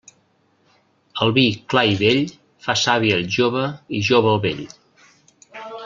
El vi clar i vell fa savi el jove i jove el vell.